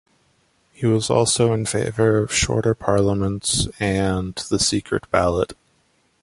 He was also in favour of shorter Parliaments and the secret ballot.